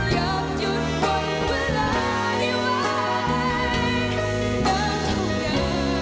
อยากให้เวลาเกิดเฉย